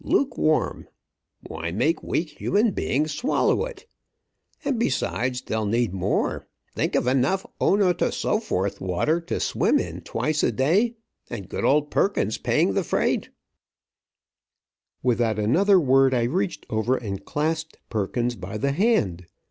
Lukewarm! Why make weak human beings swallow it? And besides, they'll need more! Think of enough O no to so forth water to swim in twice a day, and good old Perkins paying the freight!" Without another word I reached over and clasped Perkins by the hand.